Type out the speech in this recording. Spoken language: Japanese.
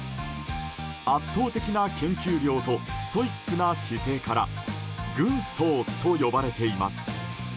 圧倒的な研究量とストイックな姿勢から軍曹と呼ばれています。